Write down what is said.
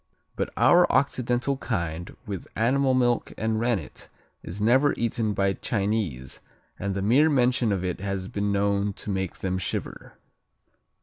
But our occidental kind with animal milk and rennet is never eaten by Chinese and the mere mention of it has been known to make them shiver.